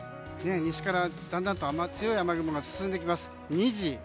西からだんだんと強い雨雲が進んできます。